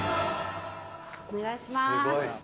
お願いします！